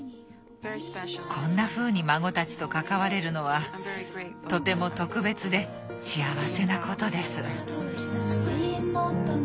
こんなふうに孫たちと関われるのはとても特別で幸せなことです。